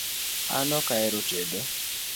An ok ahero tedo